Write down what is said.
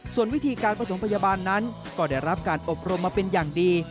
ส่วนวิธีการประถมพยาบาลนั้นก็ได้รับการอบรมมาเป็นอย่างดี